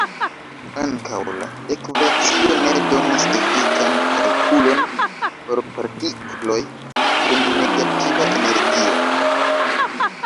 Ankaŭ la ekvacio ne donas efikan kalkulon por partikloj kun negativa energio.